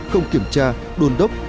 không kiểm tra đôn đốc